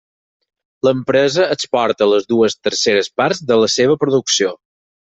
L'empresa exporta les dues terceres parts de la seva producció.